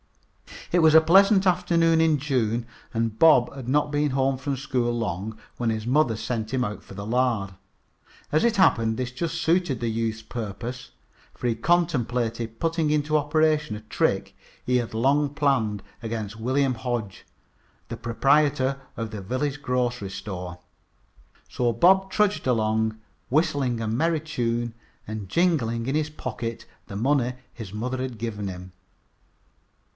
It was a pleasant afternoon in June, and Bob had not been home from school long when his mother sent him after the lard. As it happened, this just suited the youth's purpose, for he contemplated putting into operation a trick he had long planned against William Hodge, the proprietor of the village grocery store. So Bob trudged along, whistling a merry tune and jingling in his pocket the money his mother had given him.